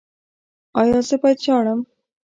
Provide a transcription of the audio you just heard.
ایا زه باید ژاړم؟